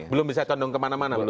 belum bisa condong kemana mana